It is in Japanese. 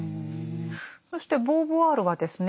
そしてボーヴォワールはですね